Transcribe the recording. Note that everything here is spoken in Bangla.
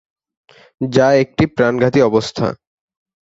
যা একটি প্রাণঘাতী অবস্থা।